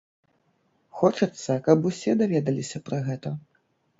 Хочацца, каб усе даведаліся пра гэта.